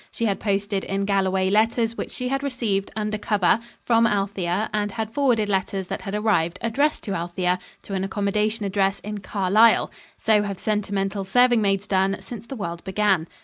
She had posted in Galloway letters which she had received, under cover, from Althea, and had forwarded letters that had arrived addressed to Althea to an accommodation address in Carlisle. So have sentimental serving maids done since the world began.